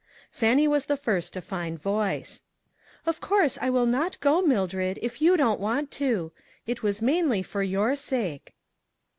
Fannie was the first to find voice :" Of course I will not go, Mildred, if you don't want to; it was mainly for your sake."